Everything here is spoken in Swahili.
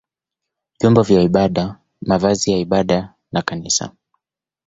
vyombo vya ibada, mavazi ya ibada na kanisa.